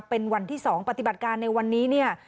เป็นวันที่๒ปฏิบัติการในวันนี้เนี่ย